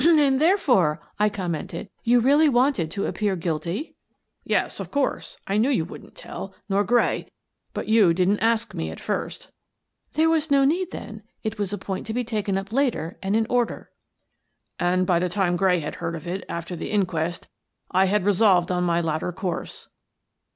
"And therefore," I commented, "you really wanted to appear guilty ?"(■. M.v *^ I 248 Miss Frances Baird, Detective " Yes. Of course, I knew you wouldn't tell, nor Gray, but you didn't ask me at first —"" There was no need then; it was a point to be taken up later and in order." " And by the time Gray had heard of it, after the inquest, I had resolved on my latter course."